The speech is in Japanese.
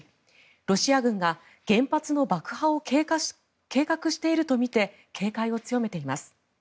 ロシア軍が原発の爆破を計画しているとみて警戒を強めています。